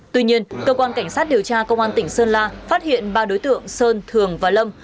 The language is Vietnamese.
tuy nhiên cơ quan cảnh sát điều tra công an tỉnh sơn la phát hiện ba đối tượng sơn thường và lâm